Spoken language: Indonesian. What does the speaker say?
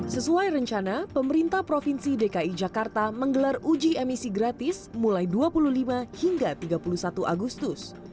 sesuai rencana pemerintah provinsi dki jakarta menggelar uji emisi gratis mulai dua puluh lima hingga tiga puluh satu agustus